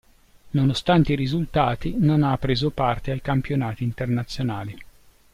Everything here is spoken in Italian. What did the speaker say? Nonostante i risultati non ha preso parte ai campionati internazionali.